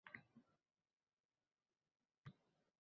o‘zingizni eshitmayotgandek tuting.